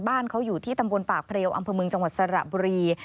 บ้านเขาอยู่ที่ตำบลปากเพลียวอำเภอเมืองจังหวัดสระบุรี